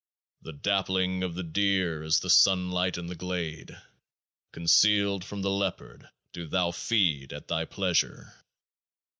The dappling of the deer is the sunlight in the glade ; concealed from the leopard do thou feed at thy pleasure.